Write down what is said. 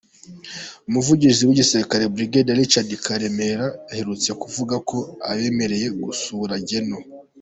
Umuvugizi w’ igisirikare Brig Richard Karemire aherutse kuvuga ko abemerewe gusura Gen.